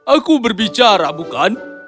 aku berbicara bukan